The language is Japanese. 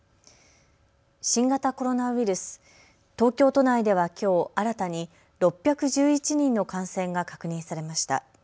新型コロナウイルス、東京都内ではきょう新たに６１１人の感染が確認されました。